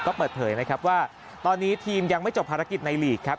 ก็เปิดเผยนะครับว่าตอนนี้ทีมยังไม่จบภารกิจในลีกครับ